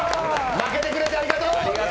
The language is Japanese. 負けてくれてありがとう！